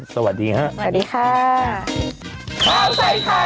สวัสดีครับ